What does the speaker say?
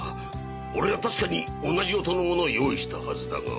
俺は確かに同じ音のものを用意したハズだが。